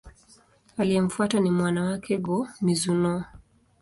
Aliyemfuata ni mwana wake, Go-Mizunoo.